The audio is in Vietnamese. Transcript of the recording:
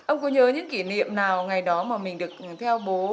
ông có nhớ những kỷ niệm nào ngày đó mà mình được theo bố